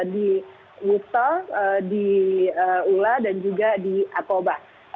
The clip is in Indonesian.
di wusta di urah dan juga di aqobah